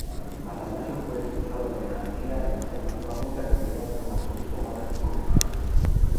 Atanasio fue expulsado de Alejandría y alternativamente reintegrado como arzobispo más de cinco veces.